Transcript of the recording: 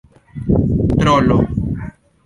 trolo